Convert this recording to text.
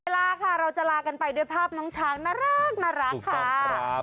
เวลาค่ะเราจะลากันไปด้วยภาพน้องช้างนะรักนะรักถูกต้องครับ